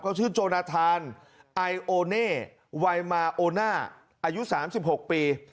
ก็ชื่อโจนาทานไอโอน่ไวมอะโอน่าอายุ๓๖ปี